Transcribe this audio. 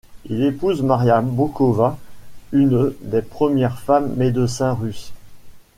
Il épouse Maria Bokova, une des premières femmes-médecins russes.